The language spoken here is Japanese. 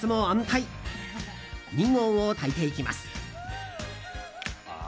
２合を炊いていきます。